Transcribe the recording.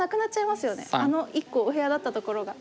あの１個お部屋だったところが。